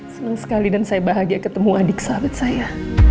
senang sekali dan saya bahagia ketemu adik sawit saya